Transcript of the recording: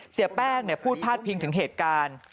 เสียแป้งพูดพาดพิงถึงเหตุการณ์